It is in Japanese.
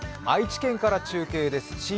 愛知県から中継です。